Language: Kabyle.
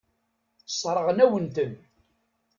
Sseṛɣen-awen-ten.